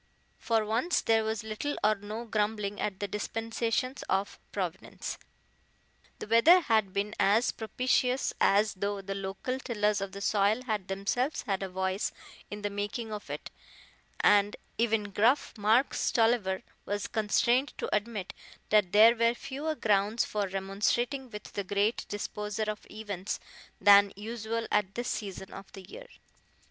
For once there was little or no grumbling at the dispensations of Providence. The weather had been as propitious as though the local tillers of the soil had themselves had a voice in the making of it, and even gruff Mark Stolliver was constrained to admit that there were fewer grounds for remonstrating with the Great Disposer of events than usual at this season of the year.